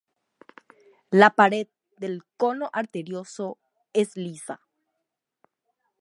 La pared del "cono arterioso" es lisa.